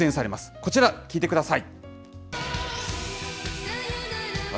こちら聴いてください。